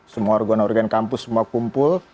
semua organ organ kampus semua kumpul